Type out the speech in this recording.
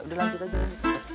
udah lanjut aja